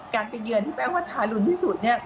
การไปเยือนที่แปลว่าทารุณที่สุดเนี่ย